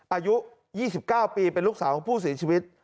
อายุ๒๙ปีเป็นลูกสาวของผู้เสียชีวิต